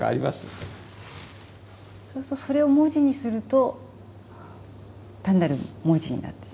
そうするとそれを文字にすると単なる文字になってしまう。